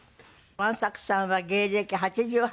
万作さんは芸歴８８年。